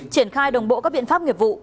triển khai đồng bộ các biện pháp nghiệp vụ